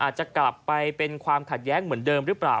อาจจะกลับไปเป็นความขัดแย้งเหมือนเดิมหรือเปล่า